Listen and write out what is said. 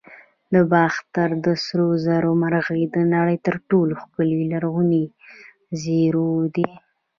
د باختر د سرو زرو مرغۍ د نړۍ تر ټولو ښکلي لرغوني زیور دی